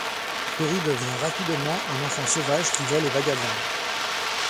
Perry devient rapidement un enfant sauvage, qui vole et vagabonde.